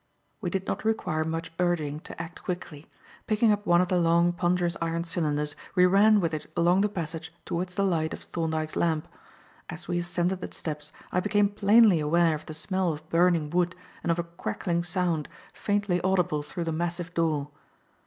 We did not require much urging to act quickly. Picking up one of the long, ponderous iron cylinders, we ran with it along the passage towards the light of Thorndyke's lamp. As we ascended the steps I became plainly aware of the smell of burning wood and of a crackling sound, faintly audible through the massive door.